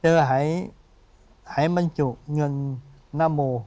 เจอหายมันจุเงินณโม